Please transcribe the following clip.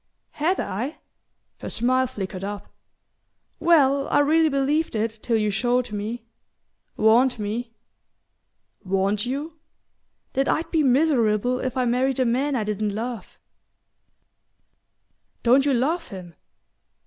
"Had I?" Her smile flickered up. "Well, I really believed it till you showed me ... warned me..." "Warned you?" "That I'd be miserable if I married a man I didn't love." "Don't you love him?"